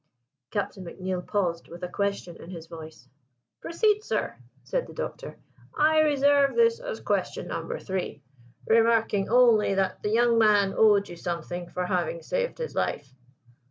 Captain McNeill paused with a question in his voice." "Proceed, sir," said the Doctor: "I reserve this as Question Number Three, remarking only that the young man owed you something for having saved his life."